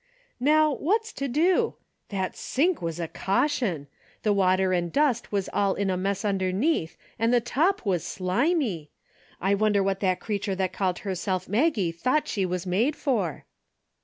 How, what's to do ? That sink was a caution ! The water and dust was all in a mess underneath and the top was slimy ! I wonder what that creature that called herself Maggie thought she was made for."